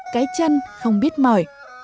cái chân không biết mỏi